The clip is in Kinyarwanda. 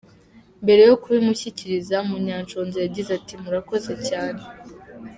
Mbere yo kubimushyikiriza, Munyanshoza yagize ati “ Murakoze cyane.